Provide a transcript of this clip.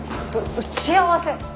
打ち合わせ。